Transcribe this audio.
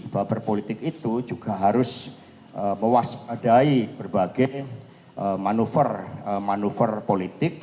bahwa berpolitik itu juga harus mewaspadai berbagai manuver manuver politik